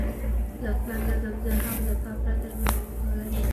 زه اصلاً نه ځم، زه هم له تا پرته ژوند نه شم کولای.